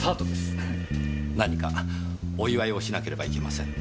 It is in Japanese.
何かお祝いをしなければいけませんねぇ。